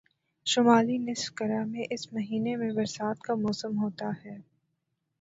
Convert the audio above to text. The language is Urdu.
شمالی نصف کرہ میں اس مہینے میں برسات کا موسم ہوتا ہے